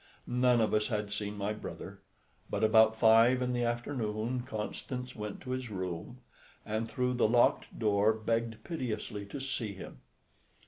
None of us had seen my brother, but about five in the afternoon Constance went to his room, and through the locked door begged piteously to see him.